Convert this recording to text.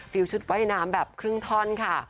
ชุดว่ายน้ำแบบครึ่งท่อนค่ะ